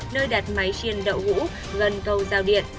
nơi đặt máy chiên đậu ngũ gần cầu giao điện